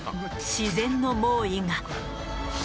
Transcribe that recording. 自然の猛威が。